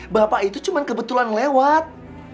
bapak itu cuma kebetulan lewat